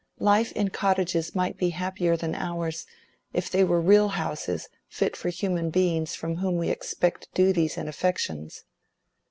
Life in cottages might be happier than ours, if they were real houses fit for human beings from whom we expect duties and affections."